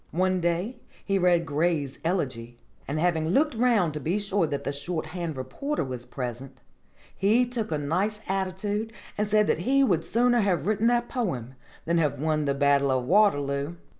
One day he read Gray's 'Elegy,' and having looked round to be sure that the shorthand reporter was present, he took a nice attitude and said that he would sooner have written that poem than have won the Battle of Waterloo.